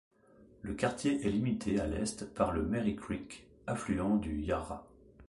Le quartier est limité à l'est par le Merri Creek, affluent du Yarra.